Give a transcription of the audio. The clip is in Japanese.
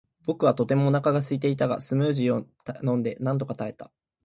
僕はとてもお腹がすいていたが、スムージーを飲んでなんとか耐えた。